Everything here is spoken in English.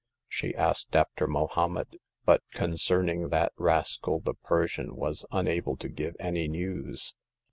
She asked after Mohommed ; but concerning that rascal the Persian was unable to give any news.